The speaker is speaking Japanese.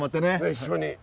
一緒に。